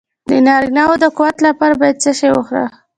د نارینه وو د قوت لپاره باید څه شی وخورم؟